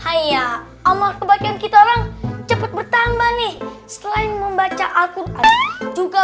hai ya amal kebaikan kita orang cepet bertambah nih selain membaca akun juga